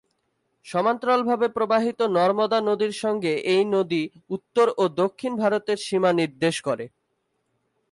সমান্তরালভাবে প্রবাহিত নর্মদা নদীর সঙ্গে এই নদী উত্তর ও দক্ষিণ ভারতের সীমা নির্দেশ করে।